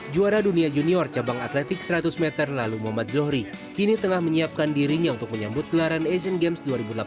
juara dunia junior cabang atletik seratus meter lalu muhammad zohri kini tengah menyiapkan dirinya untuk menyambut gelaran asian games dua ribu delapan belas